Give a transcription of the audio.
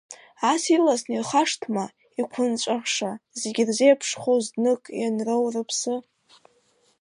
Ас ирласны ирхашҭма, иқәынҵәаша, зегь рзеиԥшхоу, знык ианроу рыԥсы…